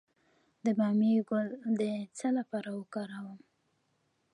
د بامیې ګل د څه لپاره وکاروم؟